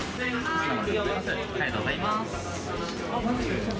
ありがとうございます。